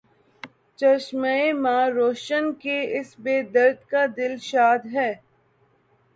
چشمِ ما روشن، کہ اس بے درد کا دل شاد ہے